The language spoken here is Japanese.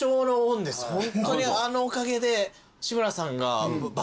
ホントにあのおかげで。